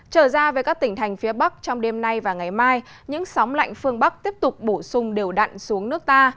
trở ra về các tỉnh thành phía bắc trong đêm nay và ngày mai những sóng lạnh phương bắc tiếp tục bổ sung đều đặn xuống nước ta